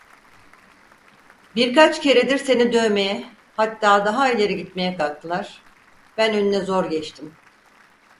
Birkaç keredir seni dövmeye, hatta daha ileri gitmeye kalktılar, ben önüne zor geçtim…